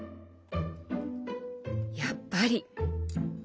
やっぱり。